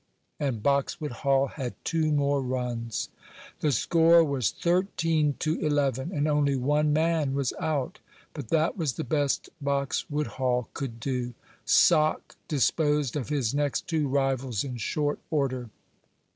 and Boxwood Hall had two more runs. The score was thirteen to eleven, and only one man was out. But that was the best Boxwood Hall could do. "Sock" disposed of his next two rivals in short order.